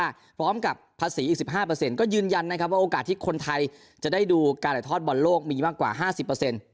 พร้อมกับภาษีอีก๑๕เปอร์เซ็นต์ก็ยืนยันนะครับว่าโอกาสที่คนไทยจะได้ดูการไหลทอดบอลโลกมีมากกว่า๕๐เปอร์เซ็นต์